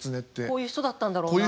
こういう人だったんだろうなっていう。